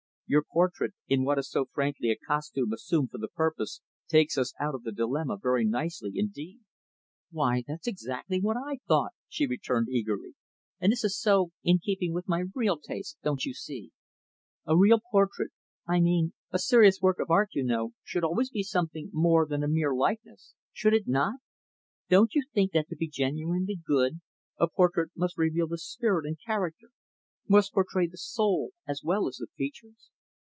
Your portrait, in what is so frankly a costume assumed for the purpose, takes us out of the dilemma very nicely, indeed." "Why, that's exactly what I thought," she returned eagerly. "And this is so in keeping with my real tastes don't you see? A real portrait I mean a serious work of art, you know should always be something more than a mere likeness, should it not? Don't you think that to be genuinely good, a portrait must reveal the spirit and character must portray the soul, as well as the features?